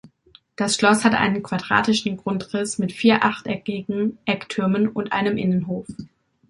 Das Schloss hat einen quadratischen Grundriss mit vier achteckigen Ecktürmen und einem Innenhof.